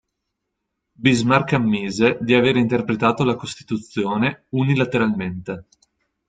Bismarck ammise di aver interpretato la costituzione unilateralmente.